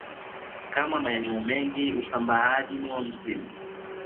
Katika maeneo mengi usambaaji ni wa msimu